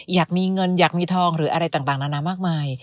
อยากมีเงินอยากมีทองหรืออะไรต่างนานามากมาย